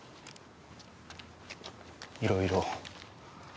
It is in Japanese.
いろいろ。